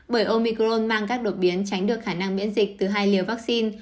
bởi omicron mang các đột biến tránh được khả năng miễn dịch từ hai liều vaccine